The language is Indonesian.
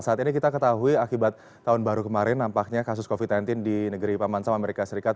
saat ini kita ketahui akibat tahun baru kemarin nampaknya kasus covid sembilan belas di negeri paman sam amerika serikat